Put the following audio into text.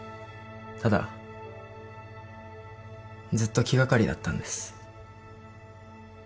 ただずっと気掛かりだったんです。